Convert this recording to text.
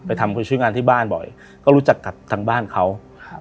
ทำคนชื่องานที่บ้านบ่อยก็รู้จักกับทางบ้านเขาครับ